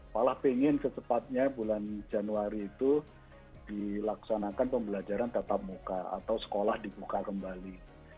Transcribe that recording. malah pengen secepatnya bulan januari itu dilaksanakan pembelajaran tatap muka atau sekolah dibuka kembali